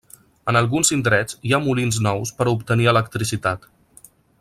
En alguns indrets hi ha molins nous per a obtenir electricitat.